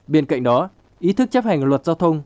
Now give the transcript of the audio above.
bên cạnh đó ý thức chấp hành luật giao thông